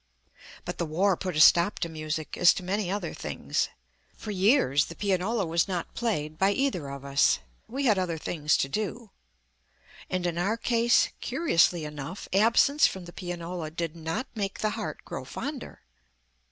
But the war put a stop to music, as to many other things. For years the pianola was not played by either of us. We had other things to do. And in our case, curiously enough, absence from the pianola did not make the heart grow fonder.